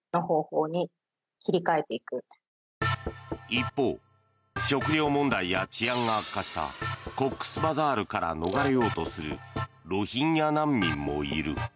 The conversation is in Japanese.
一方食料問題や治安が悪化したコックスバザールから逃れようとするロヒンギャ難民もいる。